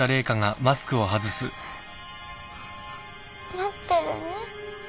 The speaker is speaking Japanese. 待ってるね。